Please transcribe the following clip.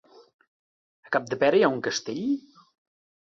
A Capdepera hi ha un castell?